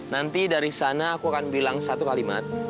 nanti dari sana aku akan bilang satu kalimat